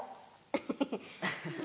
フフフフ。